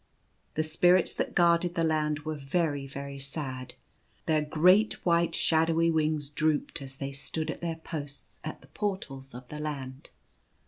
The Spirits that guarded the Land were very, very sad. Their great white shadowy wings drooped as they stood at their posts at the Portals of the Land.